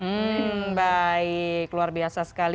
hmm baik luar biasa sekali